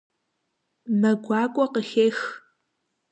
Мэ гуакӏуэ къыхех.